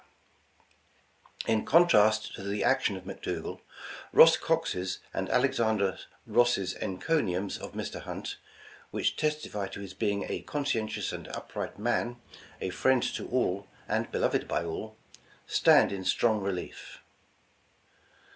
224 England's Trophy In contrast to the action of McDougal, Ross Cox's and Alexander Ross's enconiums of Mr. Hunt, — ^which testify to his being *'a conscientious and upright man, a friend to all and beloved by all, ''— stand in strong re lief.